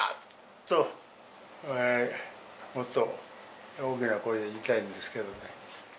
と、もっと大きな声で言いたいんですけどね。